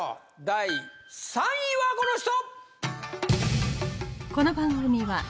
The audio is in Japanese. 第３位はこの人！